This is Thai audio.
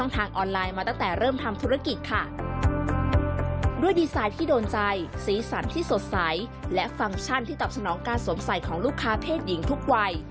ที่ตอบสนองการสงสัยของลูกค้าเพศหญิงทุกวัย